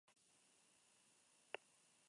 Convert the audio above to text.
La momia está basada en hechos reales.